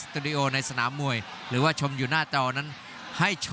กรุงฝาพัดจินด้า